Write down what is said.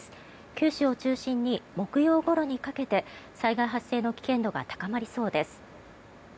九州を中心に木曜ごろにかけて災害発生の危険度が高まりそうです。